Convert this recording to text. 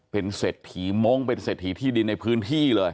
เป็นเสธีมงส์เป็นเสธีที่ดินในพื้นที่เลย